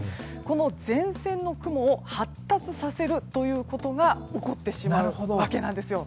この前線の雲を発達させるということが起こってしまうわけなんです。